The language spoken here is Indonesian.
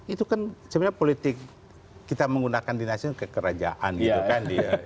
itu kan sebenarnya politik kita menggunakan dinasti kekerajaan gitu kan